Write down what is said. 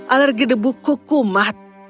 alergi debu kuku matt